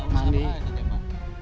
tahun berapa ya tadi pak